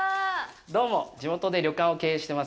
どうも、地元で旅館を経営してます